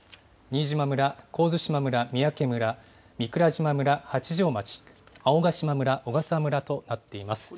新島村、神津島村、三宅村、御蔵島村、八丈町、青ヶ島村、小笠原村となっています。